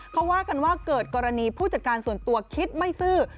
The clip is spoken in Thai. เขาว่ากันว่าเกิดกรณีผู้จัดการส่วนตัวคิดไม่ซื่อ